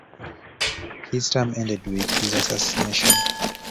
His term ended with his assassination.